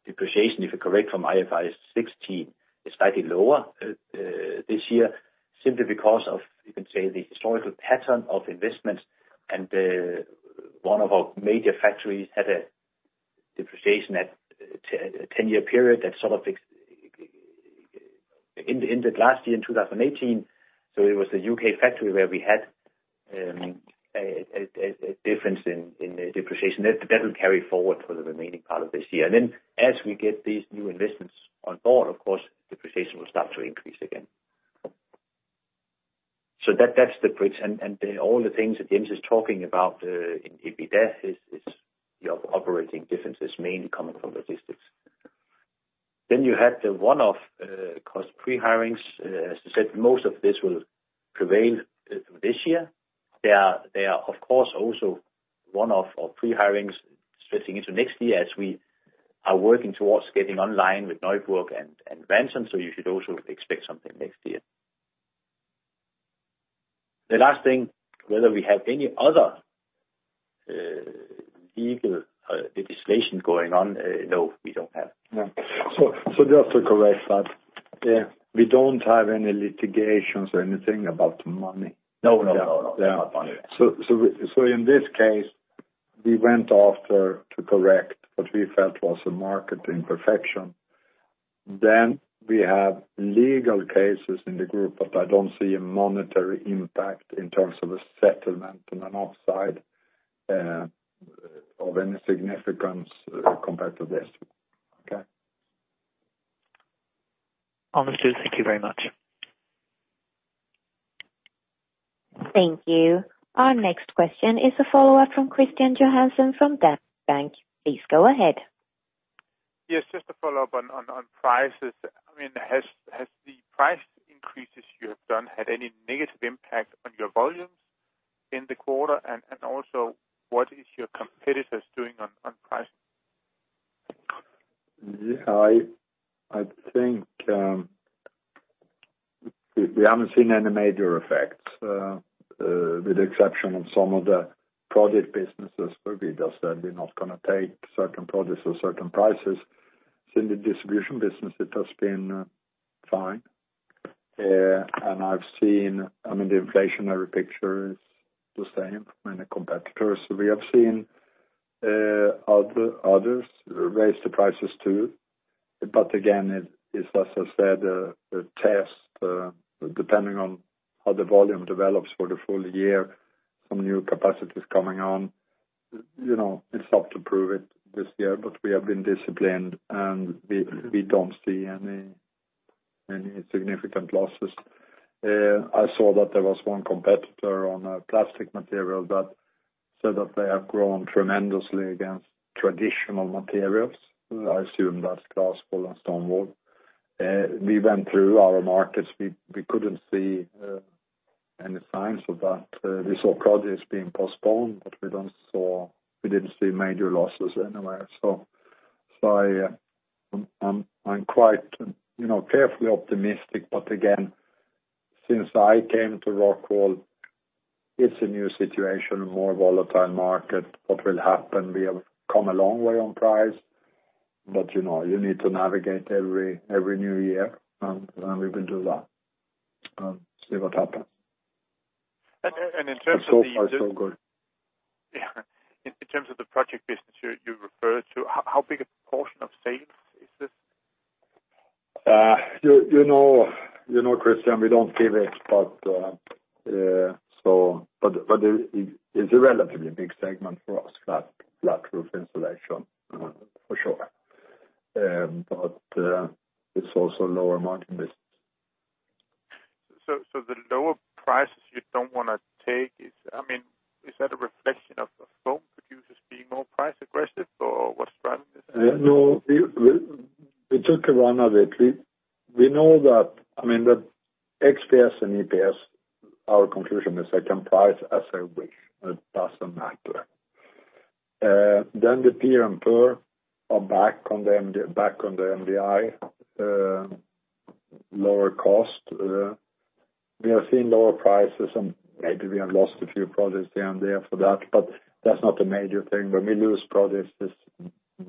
Speaker 5: depreciation, if you correct from IFRS 16, is slightly lower this year simply because of, you can say, the historical pattern of investments and one of our major factories had a depreciation at a 10-year period that ended last year in 2018. It was the U.K. factory where we had a difference in the depreciation. That will carry forward for the remaining part of this year. As we get these new investments on board, of course, depreciation will start to increase again. That's the bridge. All the things that Jens is talking about in EBITDA is operating differences mainly coming from logistics. You had the one-off cost pre-hirings. As I said, most of this will prevail this year. They are, of course, also one-off or pre-hirings stretching into next year as we are working towards getting online with Neuburg and Ranson. You should also expect something next year. The last thing, whether we have any other legal legislation going on, no, we don't have.
Speaker 2: No. Just to correct that.
Speaker 5: Yeah.
Speaker 2: We don't have any litigations or anything about money.
Speaker 5: No.
Speaker 2: Yeah. In this case, we went after to correct what we felt was a market imperfection. We have legal cases in the group, but I don't see a monetary impact in terms of a settlement on the north side of any significance compared to this.
Speaker 5: Okay.
Speaker 9: Understood. Thank you very much.
Speaker 3: Thank you. Our next question is a follow-up from Kristian Johansen from Danske Bank. Please go ahead.
Speaker 7: Yes, just a follow-up on prices. Has the price increases you have done had any negative impact on your volumes in the quarter? Also, what is your competitors doing on pricing?
Speaker 2: Yeah. I think we haven't seen any major effects, with the exception of some of the project businesses where we just said we're not going to take certain projects or certain prices. In the distribution business, it has been fine. I've seen, the inflationary picture is the same in the competitors. We have seen others raise the prices too. Again, it's, as I said, a test, depending on how the volume develops for the full year, some new capacity is coming on. It's tough to prove it this year, but we have been disciplined, and we don't see any significant losses. I saw that there was one competitor on a plastic material that said that they have grown tremendously against traditional materials. I assume that's glass wool and stone wool. We went through our markets. We couldn't see any signs of that. We saw projects being postponed, we didn't see major losses anywhere. I'm carefully optimistic, again, since I came to Rockwool, it's a new situation, a more volatile market. What will happen? We have come a long way on price, you need to navigate every new year, we will do that and see what happens.
Speaker 7: in terms of
Speaker 2: Far, so good.
Speaker 7: Yeah. In terms of the project business you referred to, how big a portion of sales is this?
Speaker 2: You know, Kristian, we don't give it, but it's a relatively big segment for us, flat roof insulation, for sure. It's also a lower margin business.
Speaker 7: The lower prices you don't want to take, is that a reflection of the foam producers being more price-aggressive, or what's driving this?
Speaker 2: No. We took PIR directly. We know that XPS and EPS, our conclusion is they can price as they wish. It doesn't matter. The PIR and PUR are back on the MDI, lower cost. We are seeing lower prices and maybe we have lost a few projects here and there for that, but that's not a major thing. When we lose projects, it's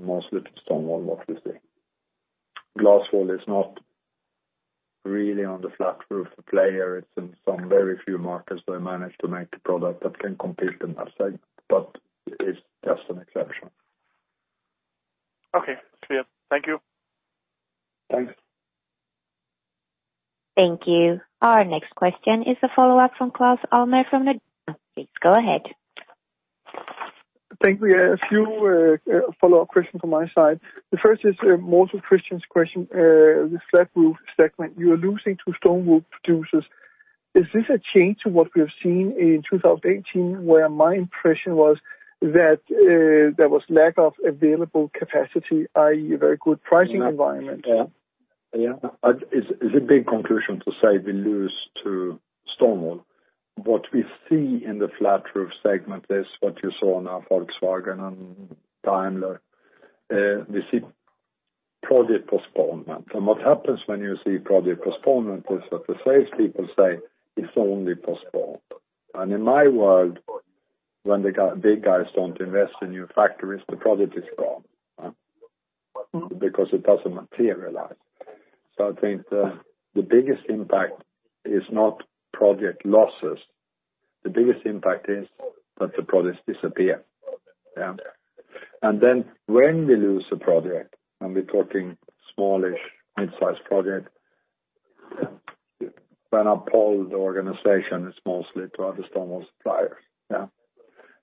Speaker 2: mostly to stone wool, obviously. Glass wool is not really on the flat roof player. It's in some very few markets they manage to make a product that can compete in that segment, but it's just an exception.
Speaker 7: Okay. It's clear. Thank you.
Speaker 2: Thanks.
Speaker 3: Thank you. Our next question is a follow-up from Claus Almer from Nordea Markets. Please go ahead.
Speaker 8: Thank you. A few follow-up questions from my side. The first is more to Kristian's question, the flat roof segment. You're losing to stone wool producers. Is this a change to what we have seen in 2018, where my impression was that there was lack of available capacity, i.e., a very good pricing environment?
Speaker 2: Yeah. It's a big conclusion to say we lose to stone wool. What we see in the flat roof segment is what you saw now, Volkswagen and Daimler. We see project postponement. What happens when you see project postponement is that the salespeople say it's only postponed. In my world, when the big guys don't invest in new factories, the project is gone. It doesn't materialize. I think the biggest impact is not project losses. The biggest impact is that the projects disappear. Yeah. When we lose a project, and we're talking smallish, mid-size project, when I poll the organization, it's mostly to other stone wool suppliers. Yeah.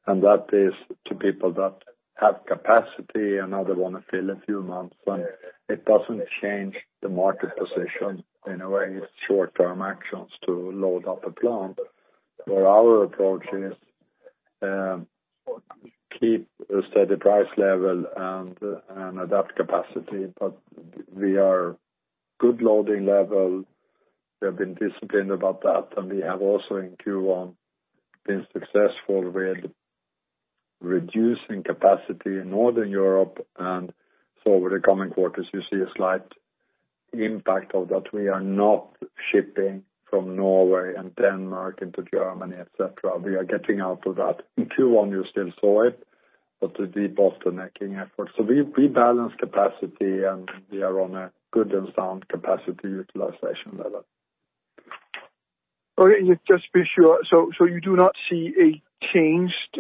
Speaker 2: That is to people that have capacity and now they want to fill a few months, and it doesn't change the market position in a way. It's short-term actions to load up a plant. Where our approach is keep a steady price level and adapt capacity. We are good loading level. We have been disciplined about that, we have also in Q1 been successful with reducing capacity in Northern Europe, over the coming quarters, you see a slight impact of that. We are not shipping from Norway and Denmark into Germany, et cetera. We are getting out of that. In Q1, you still saw it, but the debottlenecking effort. We rebalance capacity, and we are on a good and sound capacity utilization level.
Speaker 8: Okay. Just be sure. You do not see a changed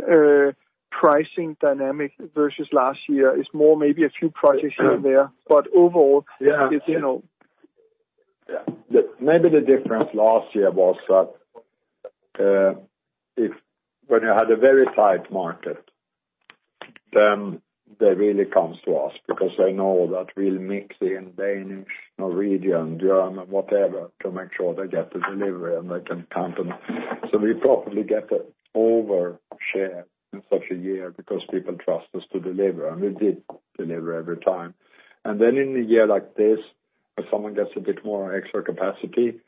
Speaker 8: pricing dynamic versus last year. It's more maybe a few projects here and there. Overall.
Speaker 2: Yeah
Speaker 8: it's, you know
Speaker 2: Yeah. Maybe the difference last year was that when you had a very tight market, they really comes to us because they know that we'll mix in Danish, Norwegian, German, whatever, to make sure they get the delivery and they can count on us. We probably get the overshare in such a year because people trust us to deliver, and we did deliver every time. In a year like this, where someone gets a bit more extra capacity,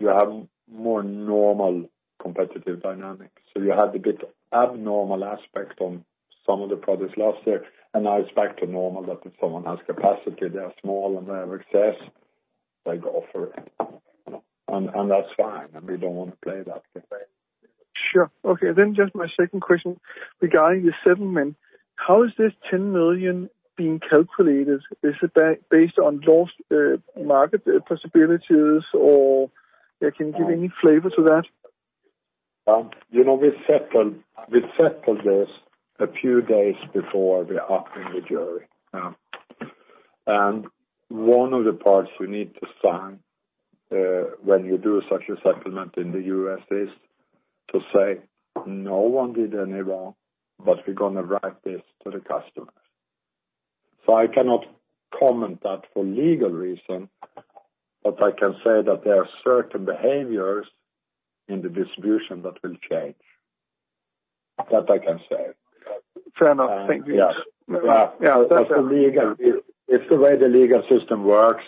Speaker 2: you have more normal competitive dynamics. You had the bit abnormal aspect on some of the projects last year, and now it's back to normal that if someone has capacity, they are small and they have excess, they go for it. That's fine, and we don't want to play that game.
Speaker 8: Sure. Just my second question regarding the settlement. How is this 10 million being calculated? Is it based on lost market possibilities or can you give any flavor to that?
Speaker 2: We settled this a few days before the opening jury. One of the parts we need to sign when you do such a settlement in the U.S. is to say, "No one did any wrong, but we're gonna write this to the customers." I cannot comment that for legal reason, but I can say that there are certain behaviors in the distribution that will change. That I can say.
Speaker 8: Fair enough. Thank you.
Speaker 2: Yeah.
Speaker 8: Yeah. That's all.
Speaker 2: It's the way the legal system works,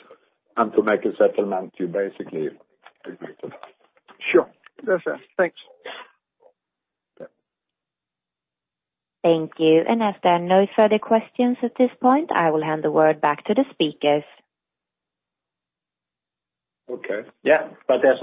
Speaker 2: and to make a settlement, you basically agree to that.
Speaker 8: Sure. Fair. Thanks.
Speaker 2: Yeah.
Speaker 3: Thank you. As there are no further questions at this point, I will hand the word back to the speakers.
Speaker 2: Okay. Yeah.